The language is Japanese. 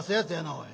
おい。